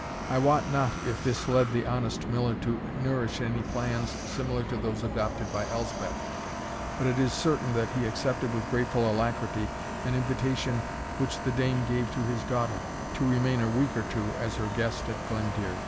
I wot not if this led the honest Miller to nourish any plans similar to those adopted by Elspeth; but it is certain that he accepted with grateful alacrity an invitation which the dame gave to his daughter, to remain a week or two as her guest at Glendearg.